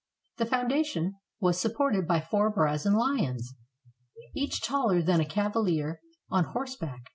The foundation was supported by four brazen lions, each taller than a cavalier on horse back.